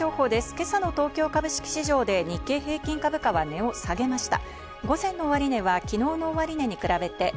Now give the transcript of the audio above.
今朝の東京株式市場で日経平均株価は値を下げました。